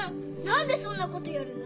なんでそんなことやるの！？